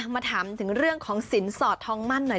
มาถามถึงเรื่องของสินสอดทองมั่นหน่อย